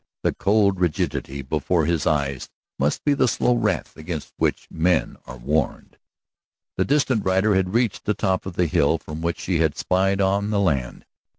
The cold rigidity before his eyes must be the slow wrath against which men are warned. The distant rider had reached the top of the hill from which she had spied out the land.